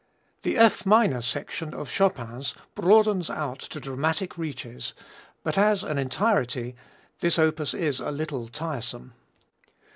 The F minor section of Chopin's broadens out to dramatic reaches, but as an entirety this opus is a little tiresome.